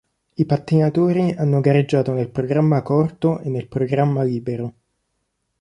I pattinatori hanno gareggiato nel programma corto e nel programma libero.